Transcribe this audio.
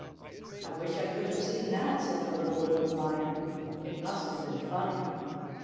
"I wish I could have seen that," said the little Wooden Lion. "It must have been funny."